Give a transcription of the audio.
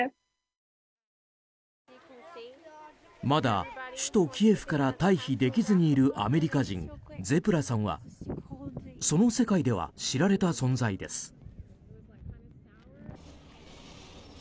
まだ首都キエフから退避できずにいるアメリカ人ゼプラさんはその世界では知られた存在です。